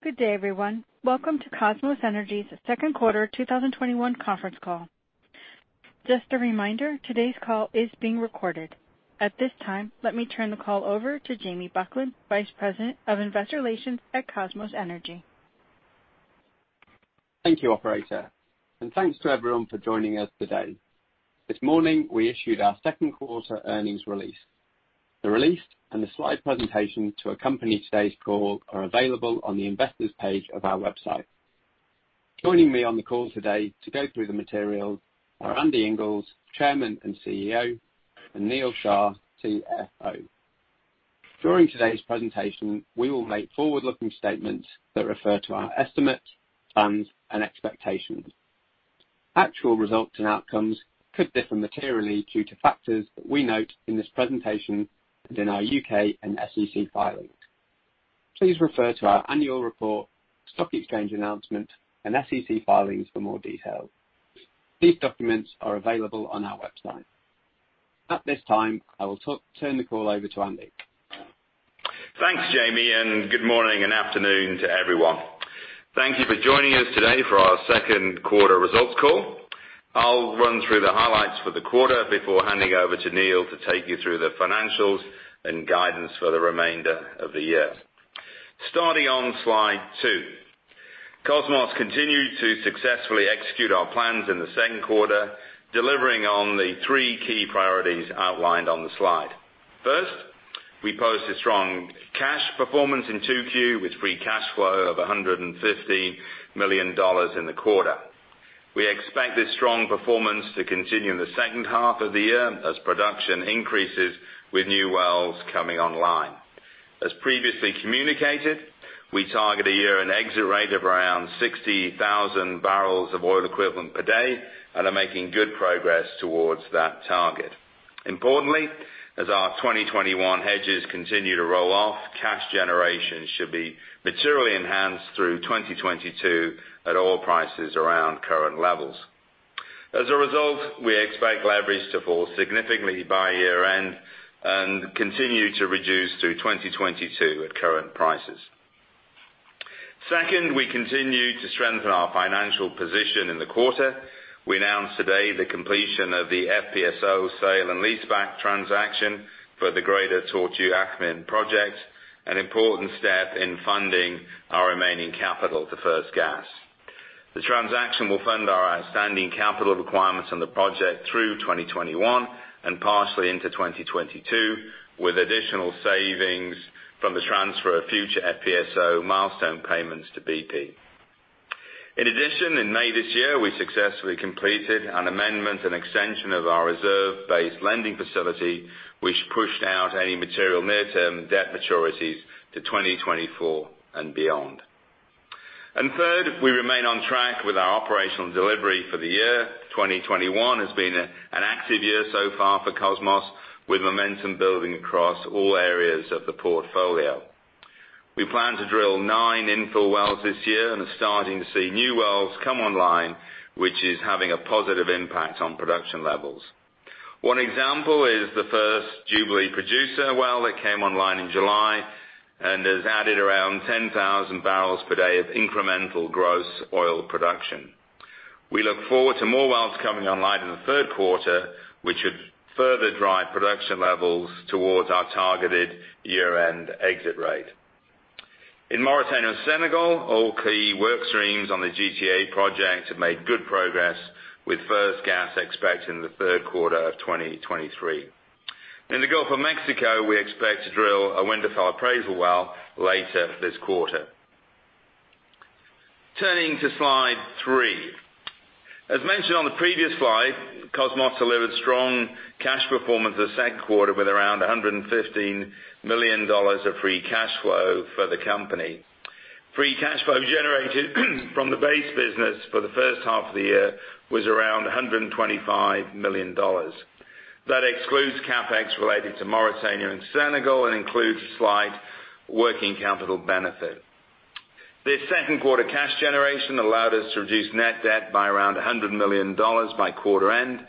Good day, everyone. Welcome to Kosmos Energy's second quarter 2021 conference call. Just a reminder, today's call is being recorded. At this time, let me turn the call over to Jamie Buckland, Vice President of Investor Relations at Kosmos Energy. Thank you, operator, and thanks to everyone for joining us today. This morning, we issued our second quarter earnings release. The release and the slide presentation to accompany today's call are available on the investors page of our website. Joining me on the call today to go through the materials are Andy Inglis, Chairman and CEO, and Neal Shah, CFO. During today's presentation, we will make forward-looking statements that refer to our estimates, plans, and expectations. Actual results and outcomes could differ materially due to factors that we note in this presentation and in our U.K. and SEC filings. Please refer to our annual report, stock exchange announcement, and SEC filings for more details. These documents are available on our website. At this time, I will turn the call over to Andy. Thanks, Jamie, good morning and afternoon to everyone. Thank you for joining us today for our second quarter results call. I'll run through the highlights for the quarter before handing over to Neal to take you through the financials and guidance for the remainder of the year. Starting on slide two. Kosmos continued to successfully execute our plans in the second quarter, delivering on the three key priorities outlined on the slide. First, we posted strong cash performance in 2Q, with free cash flow of $150 million in the quarter. We expect this strong performance to continue in the second half of the year as production increases with new wells coming online. As previously communicated, we target a year-end exit rate of around 60,000 barrels of oil equivalent per day and are making good progress towards that target. We expect leverage to fall significantly by year-end and continue to reduce through 2022 at current prices. Second, we continue to strengthen our financial position in the quarter. We announced today the completion of the FPSO sale and leaseback transaction for the Greater Tortue Ahmeyim project, an important step in funding our remaining capital to first gas. The transaction will fund our outstanding capital requirements on the project through 2021 and partially into 2022, with additional savings from the transfer of future FPSO milestone payments to BP. In May this year, we successfully completed an amendment and extension of our reserve-based lending facility, which pushed out any material near-term debt maturities to 2024 and beyond. Third, we remain on track with our operational delivery for the year. 2021 has been an active year so far for Kosmos, with momentum building across all areas of the portfolio. We plan to drill nine infill wells this year and are starting to see new wells come online, which is having a positive impact on production levels. One example is the first Jubilee producer well that came online in July and has added around 10,000 barrels per day of incremental gross oil production. We look forward to more wells coming online in the third quarter, which should further drive production levels towards our targeted year-end exit rate. In Mauritania and Senegal, all key work streams on the GTA project have made good progress, with first gas expected in the third quarter of 2023. In the Gulf of Mexico, we expect to drill a Winterfell appraisal well later this quarter. Turning to slide three. As mentioned on the previous slide, Kosmos delivered strong cash performance this second quarter, with around $115 million of free cash flow for the company. Free cash flow generated from the base business for the first half of the year was around $125 million. That excludes CapEx related to Mauritania and Senegal and includes a slight working capital benefit. This second quarter cash generation allowed us to reduce net debt by around $100 million by quarter end.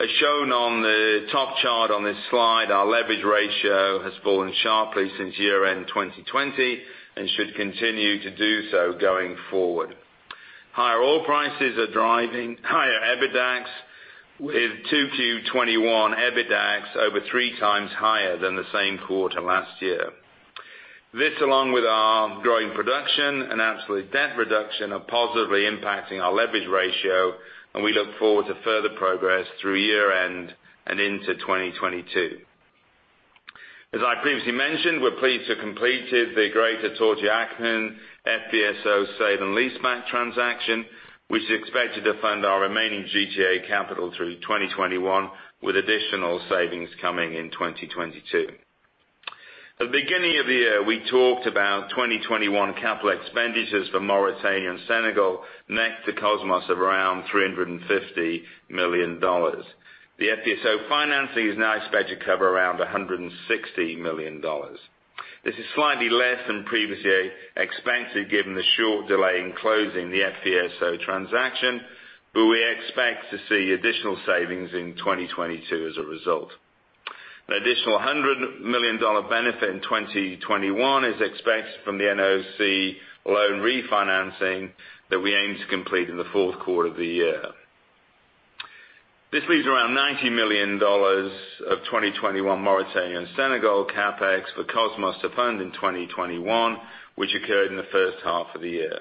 As shown on the top chart on this slide, our leverage ratio has fallen sharply since year-end 2020 should continue to do so going forward. Higher oil prices are driving higher EBITDAX, with 2Q 2021 EBITDAX over 3x higher than the same quarter last year. This, along with our growing production and absolute debt reduction, are positively impacting our leverage ratio, and we look forward to further progress through year-end and into 2022. As I previously mentioned, we're pleased to have completed the Greater Tortue Ahmeyim FPSO sale and leaseback transaction, which is expected to fund our remaining GTA capital through 2021, with additional savings coming in 2022. At the beginning of the year, we talked about 2021 capital expenditures for Mauritania and Senegal net to Kosmos of around $350 million. The FPSO financing is now expected to cover around $160 million. This is slightly less than previously expected given the short delay in closing the FPSO transaction, but we expect to see additional savings in 2022 as a result. An additional $100 million benefit in 2021 is expected from the NOC loan refinancing that we aim to complete in the fourth quarter of the year. This leaves around $90 million of 2021 Mauritania and Senegal CapEx for Kosmos to fund in 2021, which occurred in the first half of the year.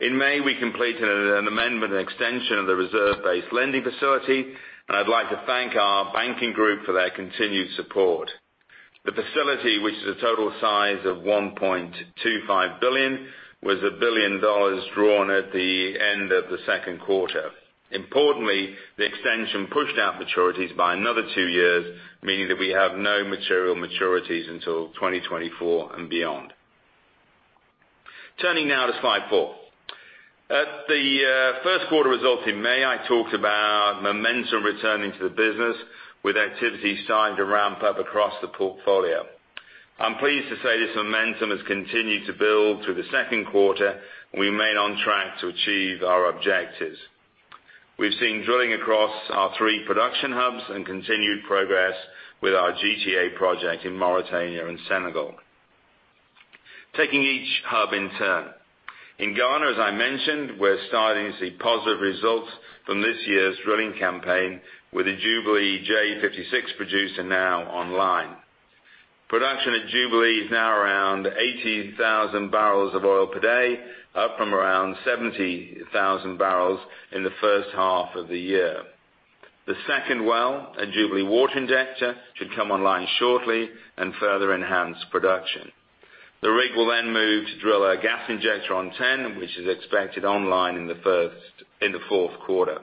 In May, we completed an amendment extension of the reserve-based lending facility, and I'd like to thank our banking group for their continued support. The facility, which is a total size of $1.25 billion, was $1 billion drawn at the end of the second quarter. Importantly, the extension pushed out maturities by another two years, meaning that we have no material maturities until 2024 and beyond. Turning now to slide four. At the first quarter results in May, I talked about momentum returning to the business with activity starting to ramp up across the portfolio. I'm pleased to say this momentum has continued to build through the second quarter. We remain on track to achieve our objectives. We've seen drilling across our three production hubs and continued progress with our GTA project in Mauritania and Senegal. Taking each hub in turn. In Ghana, as I mentioned, we're starting to see positive results from this year's drilling campaign with the Jubilee J56 producer now online. Production at Jubilee is now around 80,000 barrels of oil per day, up from around 70,000 barrels in the first half of the year. The second well, a Jubilee water injector, should come online shortly and further enhance production. The rig will move to drill a gas injector on TEN, which is expected online in the fourth quarter.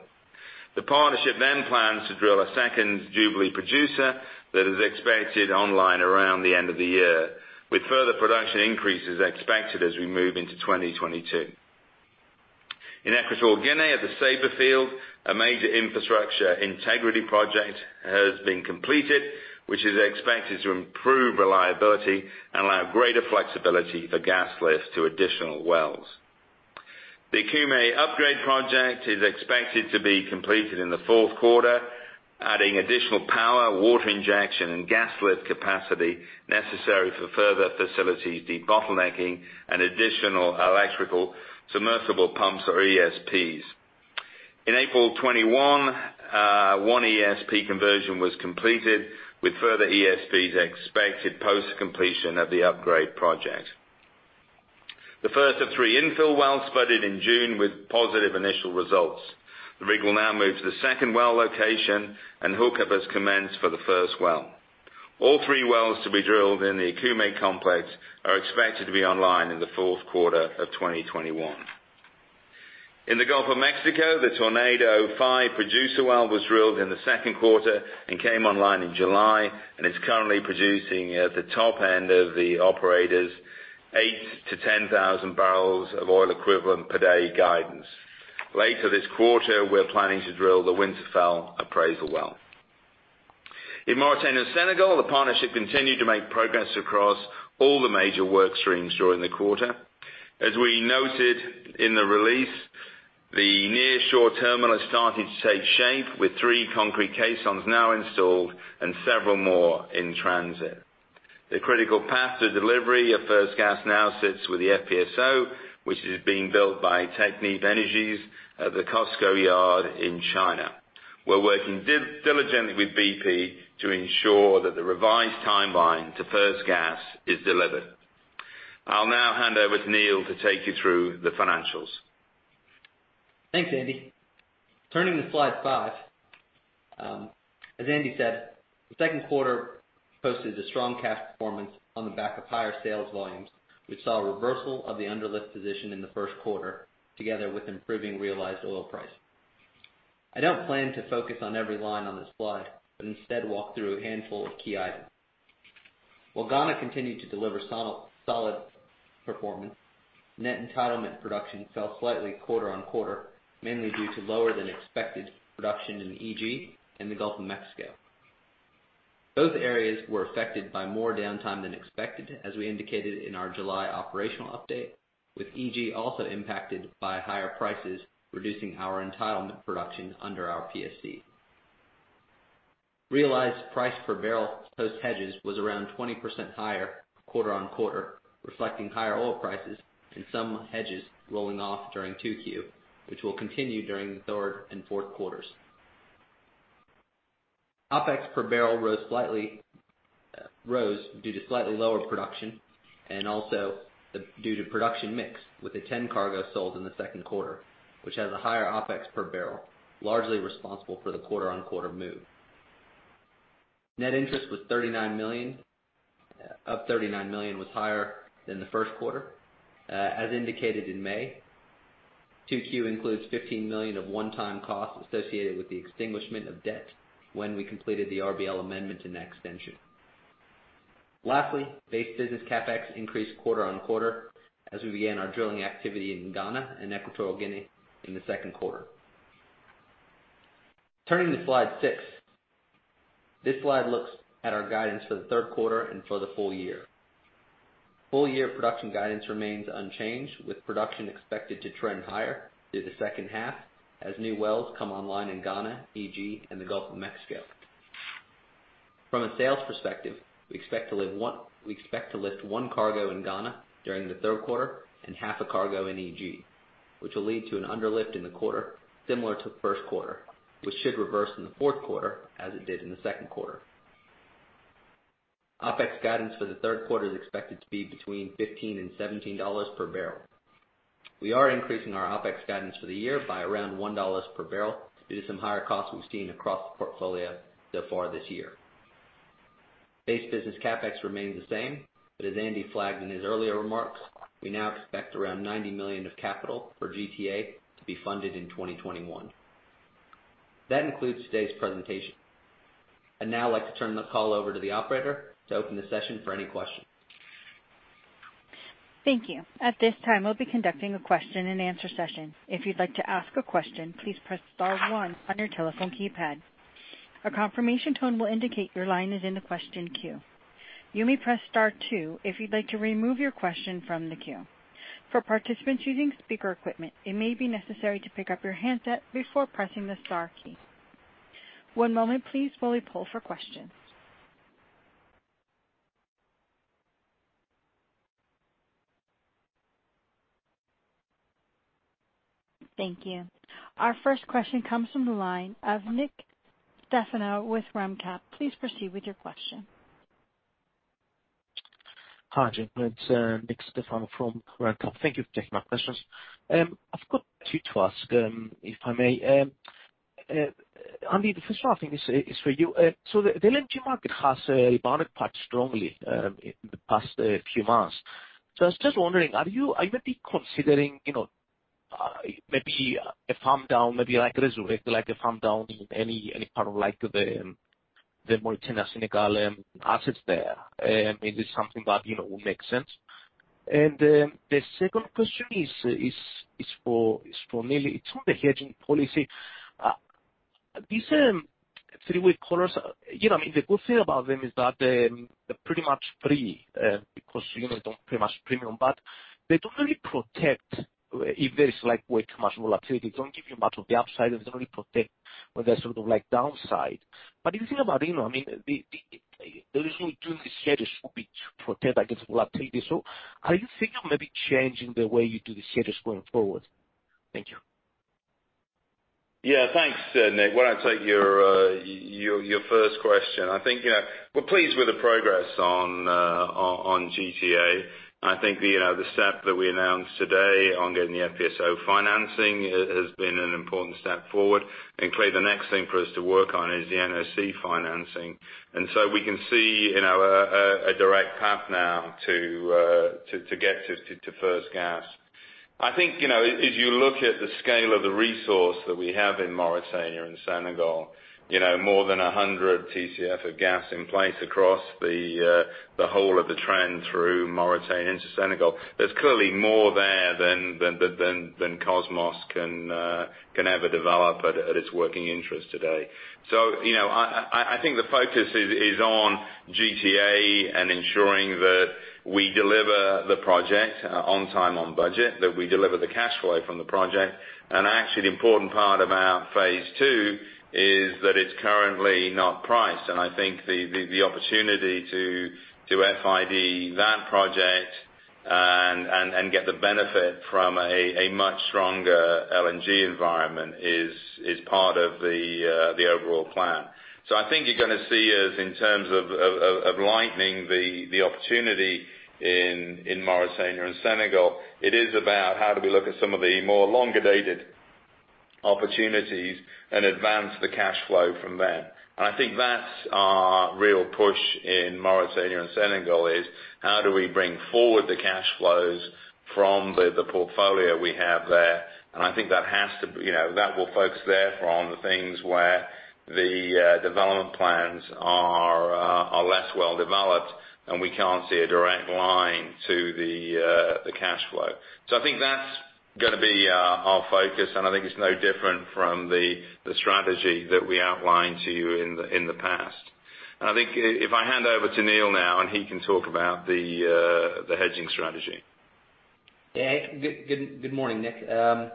The partnership plans to drill a second Jubilee producer that is expected online around the end of the year, with further production increases expected as we move into 2022. In Equatorial Guinea at the Ceiba field, a major infrastructure integrity project has been completed, which is expected to improve reliability and allow greater flexibility for gas lift to additional wells. The Okume upgrade project is expected to be completed in the fourth quarter, adding additional power, water injection, and gas lift capacity necessary for further facilities debottlenecking and additional electrical submersible pumps or ESPs. In April 2021, one ESP conversion was completed, with further ESPs expected post-completion of the upgrade project. The first of three infill wells spudded in June with positive initial results. The rig will now move to the second well location, and hookup has commenced for the first well. All three wells to be drilled in the Okume complex are expected to be online in the fourth quarter of 2021. In the Gulf of Mexico, the Tornado 5 producer well was drilled in the second quarter and came online in July, and is currently producing at the top end of the operator's 8,000-10,000 barrels of oil equivalent per day guidance. Later this quarter, we're planning to drill the Winterfell appraisal well. In Mauritania and Senegal, the partnership continued to make progress across all the major work streams during the quarter. As we noted in the release, the nearshore terminal has started to take shape, with three concrete caissons now installed and several more in transit. The critical path to delivery of first gas now sits with the FPSO, which is being built by Technip Energies at the COSCO yard in China. We're working diligently with BP to ensure that the revised timeline to first gas is delivered. I'll now hand over to Neal to take you through the financials. Thanks, Andy. Turning to slide five. As Andy said, the second quarter posted a strong cash performance on the back of higher sales volumes, which saw a reversal of the underlift position in the first quarter, together with improving realized oil price. I don't plan to focus on every line on this slide, but instead walk through a handful of key items. While Ghana continued to deliver solid performance, net entitlement production fell slightly quarter on quarter, mainly due to lower than expected production in the EG and the Gulf of Mexico. Both areas were affected by more downtime than expected, as we indicated in our July operational update, with EG also impacted by higher prices, reducing our entitlement production under our PSC. Realized price per barrel post-hedges was around 20% higher quarter-on-quarter, reflecting higher oil prices and some hedges rolling off during 2Q, which will continue during the third and fourth quarters. OpEx per barrel rose due to slightly lower production and also due to production mix with the TEN cargo sold in the second quarter, which has a higher OpEx per barrel, largely responsible for the quarter-on-quarter move. Net interest was $39 million, up $39 million was higher than the first quarter. As indicated in May, 2Q includes $15 million of one-time costs associated with the extinguishment of debt when we completed the RBL amendment and extension. Lastly, base business CapEx increased quarter-on-quarter as we began our drilling activity in Ghana and Equatorial Guinea in the second quarter. Turning to slide six. This slide looks at our guidance for the third quarter and for the full year. Full year production guidance remains unchanged, with production expected to trend higher through the second half as new wells come online in Ghana, EG, and the Gulf of Mexico. From a sales perspective, we expect to lift one cargo in Ghana during the third quarter and half a cargo in EG, which will lead to an underlift in the quarter similar to the first quarter, which should reverse in the fourth quarter as it did in the second quarter. OPEX guidance for the third quarter is expected to be between $15 and $17 per barrel. We are increasing our OPEX guidance for the year by around $1 per barrel due to some higher costs we've seen across the portfolio so far this year. Base business CapEx remains the same, but as Andy flagged in his earlier remarks, we now expect around $90 million of capital for GTA to be funded in 2021. That concludes today's presentation. I'd now like to turn the call over to the operator to open the session for any questions. Thank you. Our first question comes from the line of Nick Stefanou with RenCap. Please proceed with your question. Hi gentlemen, it's Nick Stefanou from RenCap. Thank you for taking my questions. I've got two to ask, if I may. Andy, the first one I think is for you. The LNG market has bounded back strongly in the past few months. I was just wondering, are you maybe considering maybe a farm down, maybe like resurrect, like a farm down in any part of the Mauritania, Senegal assets there? Is this something that will make sense? The second question is for Neal. It's on the hedging policy. These three-way collers, the good thing about them is that they're pretty much free because they don't pay much premium. They don't really protect if there is way too much volatility. They don't give you much of the upside. They only protect when there's sort of downside. If you think about it, the reason we're doing the schedules will be to protect against volatility. Are you thinking of maybe changing the way you do the schedules going forward? Thank you. Thanks, Nick. Why don't I take your first question? I think we're pleased with the progress on GTA. I think the step that we announced today on getting the FPSO financing has been an important step forward. Clearly the next thing for us to work on is the NOC financing. We can see a direct path now to get to first gas. I think as you look at the scale of the resource that we have in Mauritania and Senegal, more than 100 TCF of gas in place across the whole of the trend through Mauritania into Senegal. There's clearly more there than Kosmos can ever develop at its working interest today. I think the focus is on GTA and ensuring that we deliver the project on time, on budget, that we deliver the cash flow from the project. Actually, the important part about phase two is that it's currently not priced. I think the opportunity to FID that project and get the benefit from a much stronger LNG environment is part of the overall plan. I think you're going to see us in terms of lightening the opportunity in Mauritania and Senegal. It is about how do we look at some of the more longer-dated opportunities and advance the cash flow from there. I think that's our real push in Mauritania and Senegal, is how do we bring forward the cash flows from the portfolio we have there? I think that will focus therefore on the things where the development plans are less well developed, and we can't see a direct line to the cash flow. I think that's going to be our focus, and I think it's no different from the strategy that we outlined to you in the past. I think if I hand over to Neal now and he can talk about the hedging strategy. Hey. Good morning, Nick. Yeah,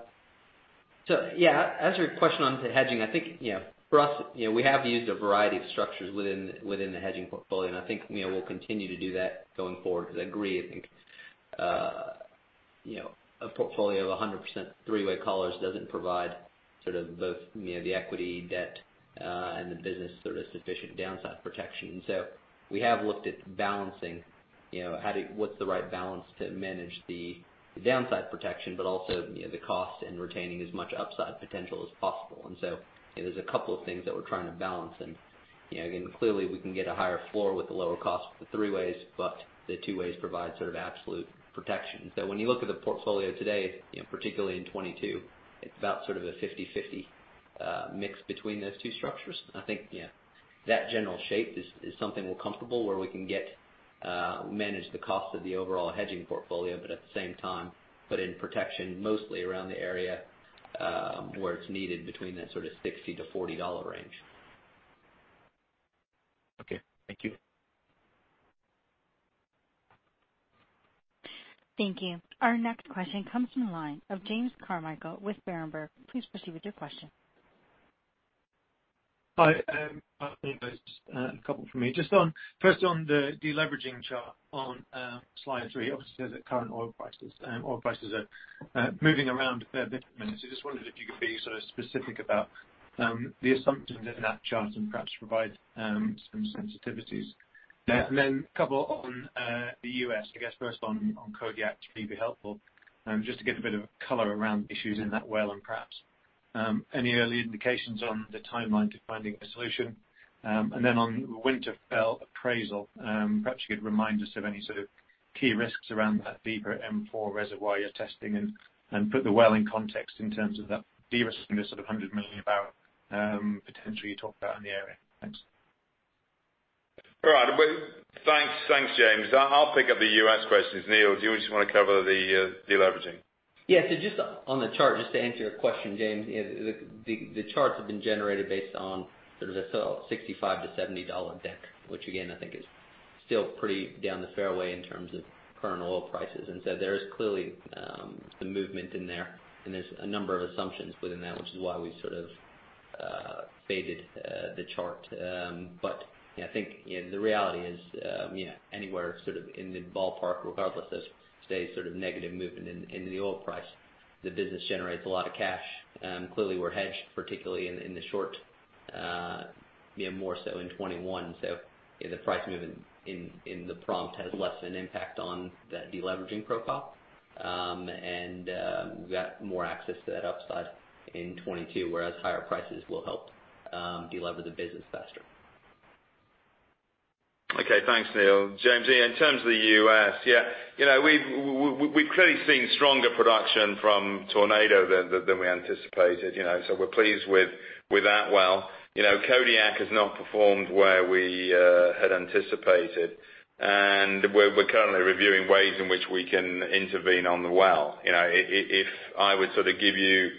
as your question on hedging, I think for us, we have used a variety of structures within the hedging portfolio, and I think we'll continue to do that going forward because I agree, I think a portfolio of 100% three-way collars doesn't provide sort of both the equity, debt, and the business sufficient downside protection. We have looked at balancing what's the right balance to manage the downside protection, but also the cost and retaining as much upside potential as possible. There's a couple of things that we're trying to balance. Again, clearly we can get a higher floor with the lower cost with the three ways, but the two ways provide sort of absolute protection. When you look at the portfolio today, particularly in 2022, it's about sort of a 50/50 mix between those two structures. I think that general shape is something we're comfortable where we can manage the cost of the overall hedging portfolio, but at the same time put in protection mostly around the area where it's needed between that sort of $60-$40 range. Okay. Thank you. Thank you. Our next question comes from the line of James Carmichael with Berenberg. Please proceed with your question. Hi, a couple from me. First, on the deleveraging chart on slide three, obviously, it says that current oil prices are moving around a fair bit at the minute. I just wondered if you could be specific about the assumptions in that chart and perhaps provide some sensitivities. A couple on the U.S., I guess first on Kodiak should be helpful. Just to get a bit of color around issues in that well, and perhaps any early indications on the timeline to finding a solution. On Winterfell appraisal, perhaps you could remind us of any sort of key risks around that deeper M4 reservoir you're testing and put the well in context in terms of that de-risking the sort of 100 million barrel potential you talked about in the area. Thanks. All right. Thanks, James. I'll pick up the U.S. questions. Neal, do you just want to cover the deleveraging? Just on the chart, just to answer your question, James, the charts have been generated based on sort of a $65-$70 deck, which again, I think is still pretty down the fairway in terms of current oil prices. There is clearly some movement in there, and there's a number of assumptions within that, which is why we've sort of faded the chart. I think the reality is anywhere sort of in the ballpark, regardless of say, sort of negative movement in the oil price, the business generates a lot of cash. Clearly, we're hedged, particularly in the short, more so in 2021. The price movement in the prompt has less an impact on that deleveraging profile. We got more access to that upside in 2022, whereas higher prices will help de-lever the business faster. Thanks, Neal. James, in terms of the U.S., we've clearly seen stronger production from Tornado than we anticipated. So we're pleased with that well. Kodiak has not performed where we had anticipated. And we're currently reviewing ways in which we can intervene on the well. If I would sort of give you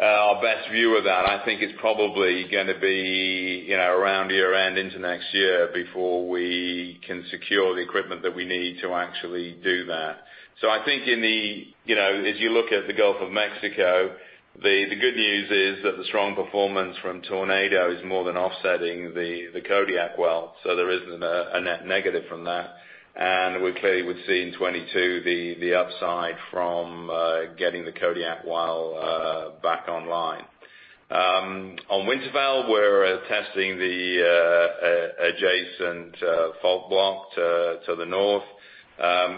our best view of that, I think it's probably going to be around year-end into next year before we can secure the equipment that we need to actually do that. So I think as you look at the Gulf of Mexico, the good news is that the strong performance from Tornado is more than offsetting the Kodiak well. So there isn't a net negative from that. And we clearly would see in 2022 the upside from getting the Kodiak well back online. On Winterfell, we're testing the adjacent fault block to the north.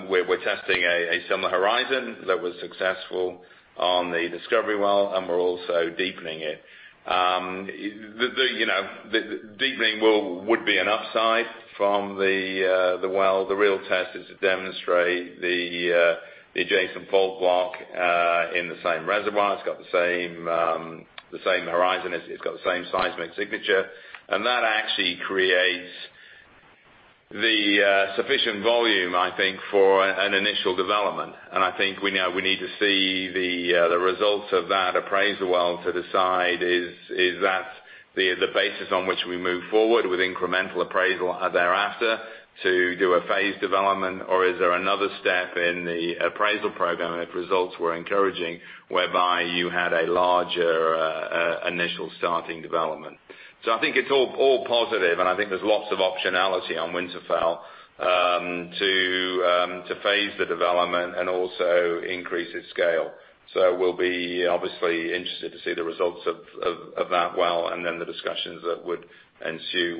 We're testing a similar horizon that was successful on the discovery well, and we're also deepening it. The deepening would be an upside from the well. The real test is to demonstrate the adjacent fault block in the same reservoir. It's got the same horizon. It's got the same seismic signature. That actually creates the sufficient volume, I think, for an initial development. I think we now need to see the results of that appraisal well to decide, is that the basis on which we move forward with incremental appraisal thereafter to do a phase development? Is there another step in the appraisal program, and if results were encouraging, whereby you had a larger initial starting development. I think it's all positive, and I think there's lots of optionality on Winterfell to phase the development and also increase its scale. We'll be obviously interested to see the results of that well, and then the discussions that would ensue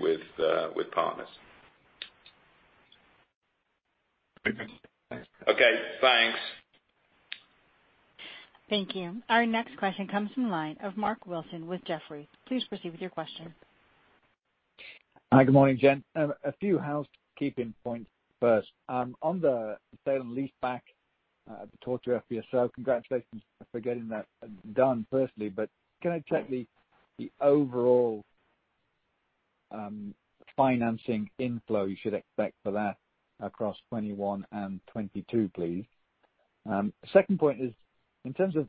with partners. Okay. Thanks. Okay. Thanks. Thank you. Our next question comes from the line of Mark Wilson with Jefferies. Please proceed with your question. Hi. Good morning, gentlemen. A few housekeeping points first. On the sale and lease back of the GTA FPSO, congratulations for getting that done, firstly. Can I check the overall financing inflow you should expect for that across 2021 and 2022, please? Second point is, in terms of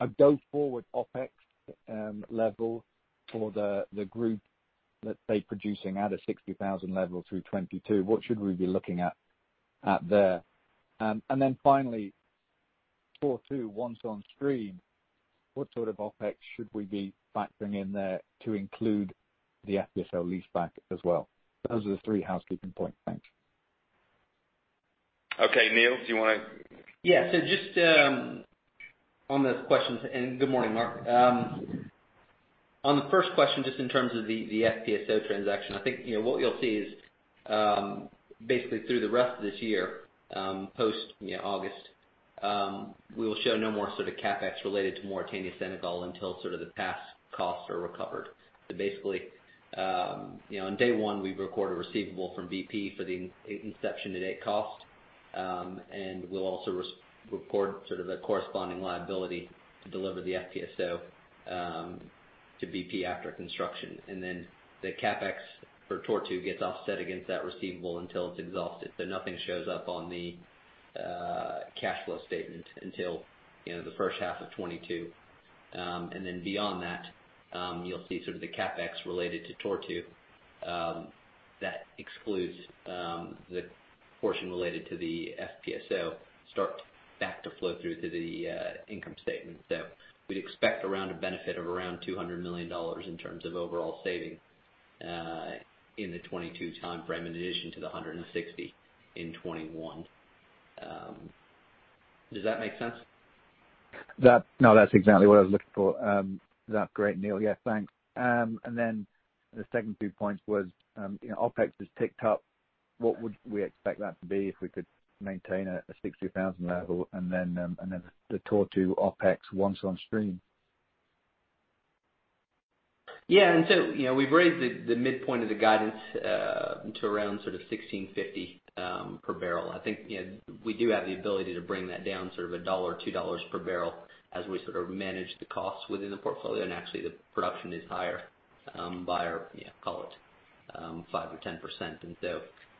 a go-forward OpEx level for the group, let's say, producing at a 60,000 level through 2022, what should we be looking at there? Finally, GTA once on stream, what sort of OpEx should we be factoring in there to include the FPSO lease back as well? Those are the three housekeeping points. Thanks. Okay. Neal, do you want to Yeah. So just on those questions, and good morning, Mark. On the first question, just in terms of the FPSO transaction, I think what you'll see is basically through the rest of this year, post August, we will show no more sort of CapEx related to Mauritania Senegal until sort of the past costs are recovered. Basically, on day one, we record a receivable from BP for the inception to date cost. We'll also record sort of the corresponding liability to deliver the FPSO to BP after construction. The CapEx for Tortue gets offset against that receivable until it's exhausted. Nothing shows up on the cash flow statement until the first half of 2022. Beyond that, you'll see the CapEx related to Tortue. That excludes the portion related to the FPSO start back to flow through to the income statement. We'd expect around a benefit of around $200 million in terms of overall savings in the 2022 timeframe, in addition to the $160 in 2021. Does that make sense? No, that's exactly what I was looking for. That's great, Neal. Yeah, thanks. The second two points was, OpEx has ticked up. What would we expect that to be if we could maintain a 60,000 level and then the Tortue OpEx once on stream? Yeah. We've raised the midpoint of the guidance to around $1,650 per barrel. I think we do have the ability to bring that down $1, $2 per barrel as we manage the costs within the portfolio. Actually, the production is higher by, call it 5% or 10%.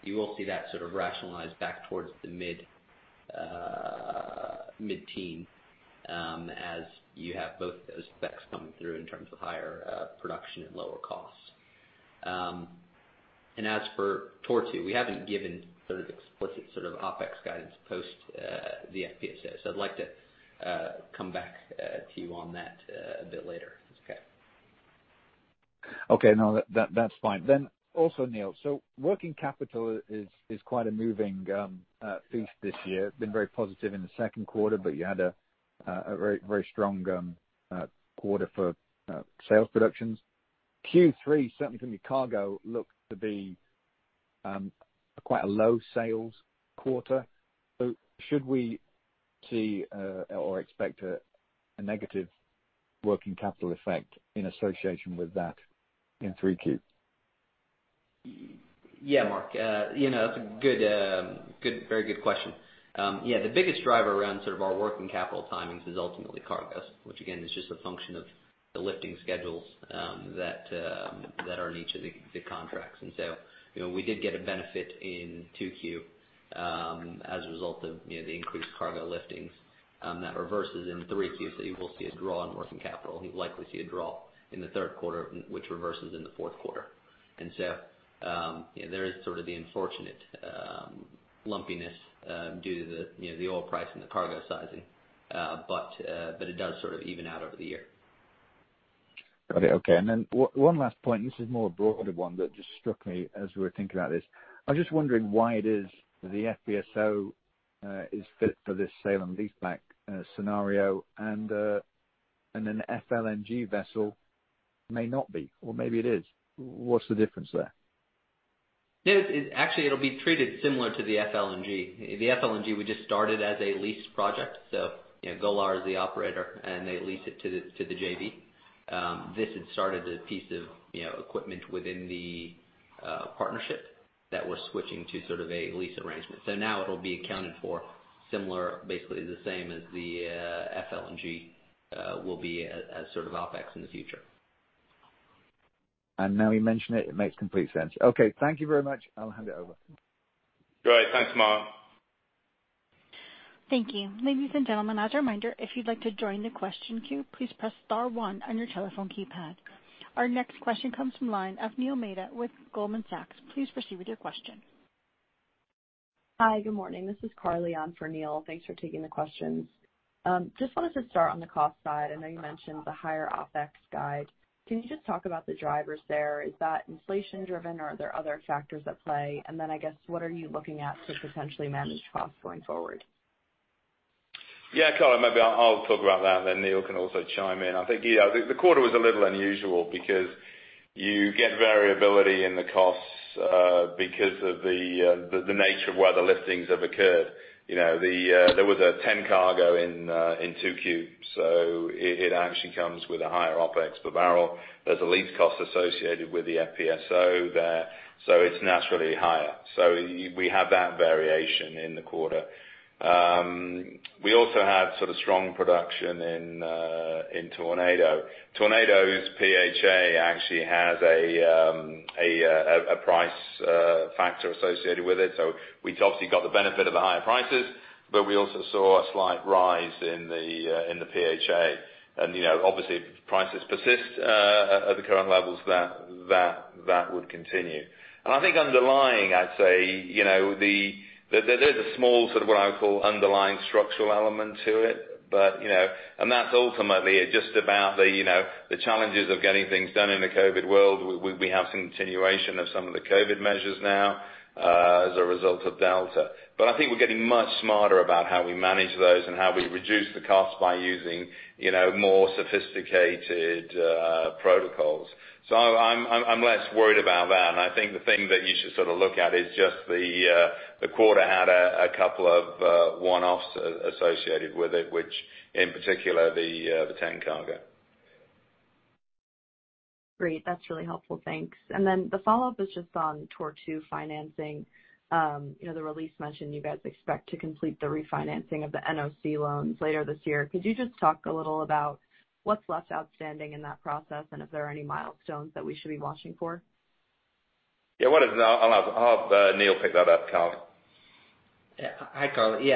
You will see that sort of rationalize back towards the mid-teen as you have both those specs coming through in terms of higher production and lower costs. As for Tortue, we haven't given explicit OpEx guidance post the FPSO. I'd like to come back to you on that a bit later, if that's okay. Okay. No, that's fine then. Neal, working capital is quite a moving feast this year. Been very positive in the second quarter, you had a very strong quarter for sales productions. Q3, certainly from your cargo, looked to be quite a low sales quarter. Should we see or expect a negative working capital effect in association with that in Q3? Yeah, Mark. That's a very good question. The biggest driver around our working capital timings is ultimately cargoes, which again, is just a function of the lifting schedules that are in each of the contracts. We did get a benefit in 2Q as a result of the increased cargo liftings. That reverses in 3Q, so you will see a draw on working capital. You'll likely see a draw in the third quarter, which reverses in the fourth quarter. There is sort of the unfortunate lumpiness due to the oil price and the cargo sizing. It does even out over the year. Okay. One last point, this is more a broader one that just struck me as we were thinking about this. I was just wondering why it is the FPSO is fit for this sale and lease back scenario and an FLNG vessel may not be, or maybe it is. What's the difference there? Actually, it'll be treated similar to the FLNG. The FLNG, we just started as a lease project. Golar is the operator, and they lease it to the JV. This had started as a piece of equipment within the partnership that we're switching to a lease arrangement. Now it'll be accounted for similar, basically the same as the FLNG will be as sort of OpEx in the future. Now you mention it makes complete sense. Okay, thank you very much. I'll hand it over. Great. Thanks, Mark. Thank you. Ladies and gentlemen, as a reminder, if you'd like to join the question queue, please press star one on your telephone keypad. Our next question comes from line of Neil Mehta with Goldman Sachs. Please proceed with your question. Hi. Good morning. This is Carly on for Neil Mehta. Thanks for taking the questions. Just wanted to start on the cost side. I know you mentioned the higher OpEx guide. Can you just talk about the drivers there? Is that inflation driven or are there other factors at play? I guess, what are you looking at to potentially manage costs going forward? Yeah. Carly, maybe I'll talk about that, and then Neal can also chime in. I think the quarter was a little unusual because you get variability in the costs because of the nature of where the liftings have occurred. There was a TEN cargo in 2Q, so it actually comes with a higher OpEx per barrel. There's a lease cost associated with the FPSO there, so it's naturally higher. We have that variation in the quarter. We also had sort of strong production in Tornado. Tornado's PPHA actually has a price factor associated with it. We obviously got the benefit of the higher prices, but we also saw a slight rise in the PPHA. Obviously, if prices persist at the current levels, that would continue. I think underlying, I'd say, there's a small sort of what I would call underlying structural element to it. That's ultimately just about the challenges of getting things done in the COVID world. We have continuation of some of the COVID measures now as a result of Delta. I think we're getting much smarter about how we manage those and how we reduce the cost by using more sophisticated protocols. I'm less worried about that. I think the thing that you should sort of look at is just the quarter had a couple of one-offs associated with it, which in particular, the TEN cargo. Great. That's really helpful. Thanks. The follow-up is just on Tortue financing. The release mentioned you guys expect to complete the refinancing of the NOC loans later this year. Could you just talk a little about what's left outstanding in that process, and if there are any milestones that we should be watching for? Yeah. Why don't I'll have Neal pick that up, Carly? Hi, Carly.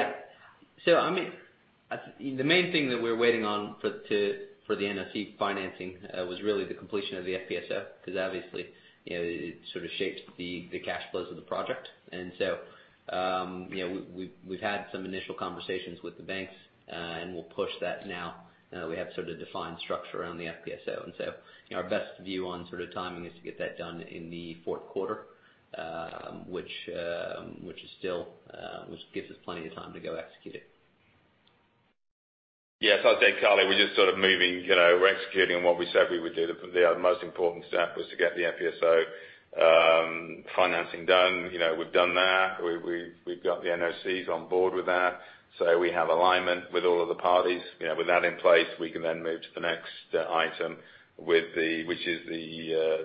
The main thing that we're waiting on for the NOC financing was really the completion of the FPSO, because obviously, it sort of shapes the cash flows of the project. We've had some initial conversations with the banks, and we'll push that now. We have sort of defined structure around the FPSO. Our best view on sort of timing is to get that done in the fourth quarter, which gives us plenty of time to go execute it. Yes, I'd say, Carly, we're just sort of moving. We're executing on what we said we would do. The most important step was to get the FPSO financing done. We've done that. We've got the NOCs on board with that, so we have alignment with all of the parties. With that in place, we can then move to the next item, which is the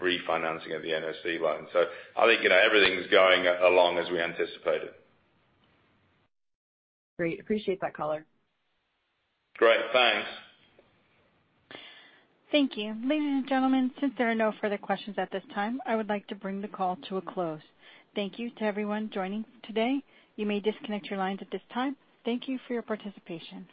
refinancing of the NOC loan. I think everything's going along as we anticipated. Great. Appreciate that color. Great. Thanks. Thank you. Ladies and gentlemen, since there are no further questions at this time, I would like to bring the call to a close. Thank you to everyone joining today. You may disconnect your lines at this time. Thank you for your participation.